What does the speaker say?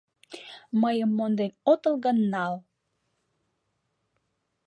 Мыйым монден отыл гын, нал.